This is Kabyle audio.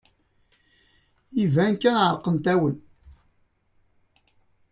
Iban kan ɛerqent-awen.